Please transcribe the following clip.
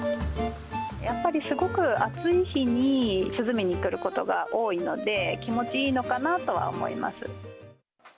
やっぱりすごく暑い日に涼みに来ることが多いので、気持ちいいのかなとは思います。